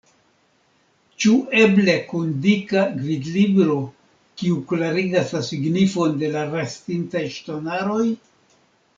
Ĉu eble kun dika gvidlibro, kiu klarigas la signifon de la restintaj ŝtonaroj?